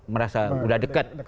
merasa udah deket